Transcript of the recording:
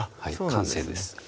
完成です